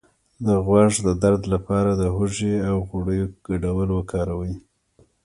د غوږ د درد لپاره د هوږې او غوړیو ګډول وکاروئ